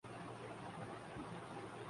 گاؤں میں ڈاکٹروں کی کمی ہے